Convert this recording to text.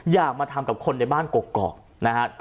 อยากมาทำกับคนในบ้านกรอก